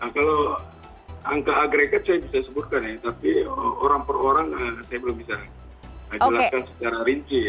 kalau angka agregat saya bisa sebutkan ya tapi orang per orang saya belum bisa jelaskan secara rinci ya